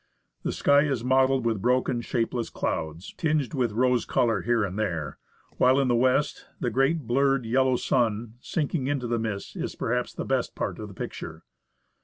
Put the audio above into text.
The sky is mottled with broken, shapeless clouds, tinged with rose colour here and there, while in the west the great blurred, yellow sun sinking into the mists is perhaps the best part of the picture.